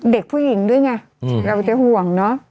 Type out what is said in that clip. เด็กผู้หญิงด้วยไงเราจะห่วงเนอะ